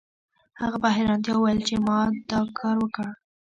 هغه په حیرانتیا وویل چې ما دا کار وکړ